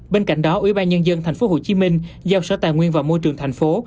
bên cạnh đó ủy ban nhân dân tp hcm giao sở tài nguyên và môi trường thành phố